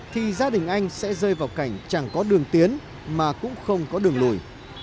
thì gia đình anh sẽ rơi vào cảnh chẳng có đường tiến mà cũng không có đường lùi